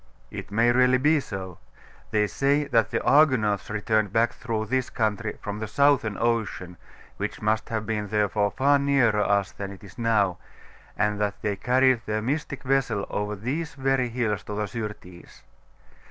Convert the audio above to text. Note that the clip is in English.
'It may really be so. They say that the Argonauts returned back through this country from the Southern Ocean, which must have been therefore far nearer us than it is now, and that they carried their mystic vessel over these very hills to the Syrtis.